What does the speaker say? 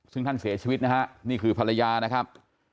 ซึ่งท่านเสียชีวิตนะฮะนี่คือภรรยานะครับ